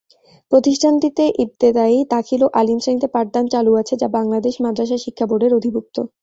প্রতিষ্ঠানটিতে ইবতেদায়ী, দাখিল ও আলিম শ্রেণীতে পাঠদান চালু আছে যা বাংলাদেশ মাদ্রাসা শিক্ষা বোর্ডের অধিভুক্ত।